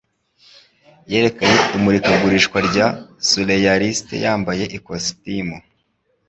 yerekanye imurikagurisha rya Surrealiste yambaye ikositimu